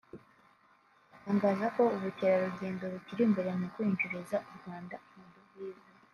atangaza ko ubukerarugendo bukiri imbere mu kwinjiriza u Rwanda amadovize